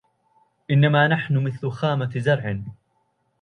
إنما نحن مثل خامة زرع